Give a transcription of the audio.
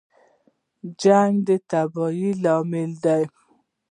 جنګ د تباهۍ لامل دی